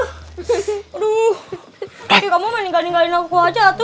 aduh kamu meninggalin aku aja tuh